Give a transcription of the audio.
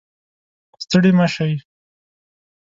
ستړې مه شئ